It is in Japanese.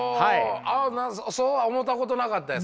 ああそうは思うたことなかったです。